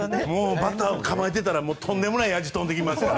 バッターが構えてたらとんでもないやじが飛んできますから。